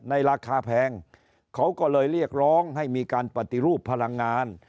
ราคาแพงเขาก็เลยเรียกร้องให้มีการปฏิรูปพลังงาน